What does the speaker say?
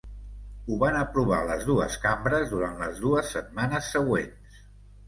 Ho van aprovar les dues cambres durant les dues setmanes següents.